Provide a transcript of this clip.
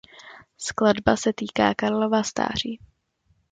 Skladba se týká Karlova stáří.